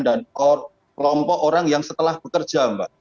dan kelompok orang yang setelah bekerjaan